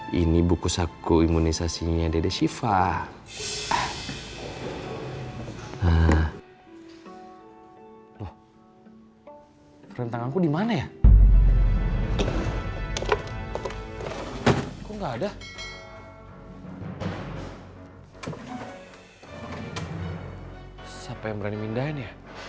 jangan lupa like share dan subscribe ya